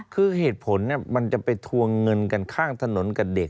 คือเหตุผลมันจะไปทวงเงินกันข้างถนนกับเด็ก